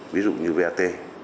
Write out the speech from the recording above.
ví dụ như vat